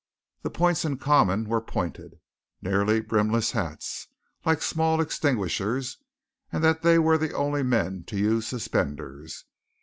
The points in common were pointed, nearly brimless hats, like small extinguishers, and that they were the only men to use suspenders.